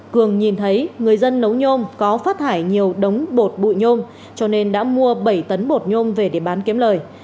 cường nhìn thấy người dân nấu nhôm có phát thải nhiều đống bột bụi nhôm cho nên đã mua bảy tấn bột nhôm về để bán kiếm lời